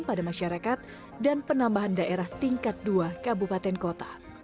pada masyarakat dan penambahan daerah tingkat dua kabupaten kota